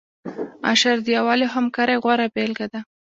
اشر د یووالي او همکارۍ غوره بیلګه ده.